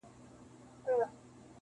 زورور یم خو څوک نه آزارومه-